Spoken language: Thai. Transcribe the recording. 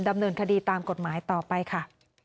ดำเนินคดีตามกฎหมายต่อไปค่ะ